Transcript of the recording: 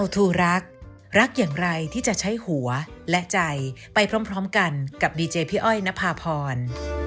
โปรดติดตามตอนต่อไป